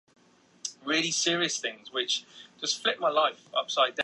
起先他因为非正式投降从昨天开始生效而责备我。